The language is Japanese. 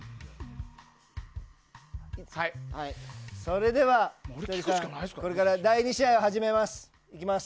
それではこれから第２試合を始めます。